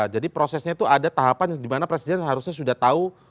jadi prosesnya itu ada tahapan di mana presiden harusnya sudah tahu